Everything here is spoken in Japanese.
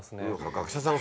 学者さん